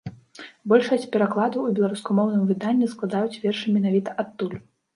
Большасць перакладаў у беларускамоўным выданні складаюць вершы менавіта адтуль.